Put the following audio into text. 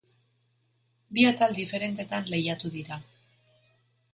Bi atal diferentetan lehiatu dira.